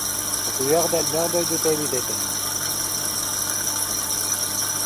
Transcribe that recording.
Кутуйах да элбэх дойдута эбит этэ